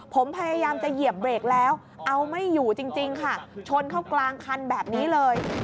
ผมพยายามจะเหยียบเบรกแล้วเอาไม่อยู่จริงค่ะชนเข้ากลางคันแบบนี้เลย